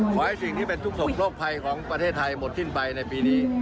ขอให้สิ่งที่เป็นทุกศพโรคภัยของประเทศไทยหมดสิ้นไปในปีนี้